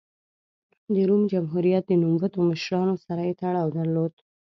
د روم جمهوریت د نوموتو مشرانو سره یې تړاو درلود